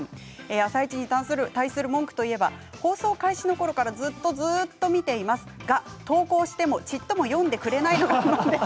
「あさイチ」に対する文句といえば放送開始のころからずっとずっと見ていますが投稿しても、ちっとも読んでくれないことです。